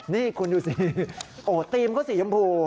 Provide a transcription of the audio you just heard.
นี่คุณดูสิโอ้ธีมเขาสีชมพู